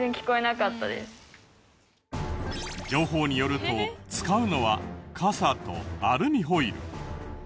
情報によると使うのは傘とアルミホイル。